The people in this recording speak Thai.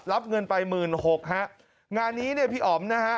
รับเงินไปหมื่นหกฮะงานนี้เนี่ยพี่อ๋อมนะฮะ